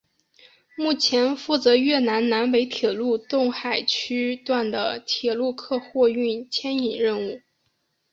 目前负责越南南北铁路洞海区段的铁路客货运牵引任务。